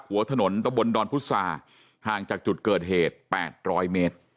หัวถนนตะบนดอนพุษาห่างจากจุดเกิดเหตุ๘๐๐เมตร